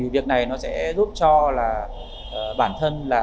việc này sẽ giúp cho bản thân